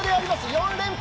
４連覇！